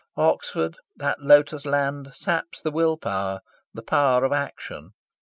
Oxford, that lotus land, saps the will power, the power of action.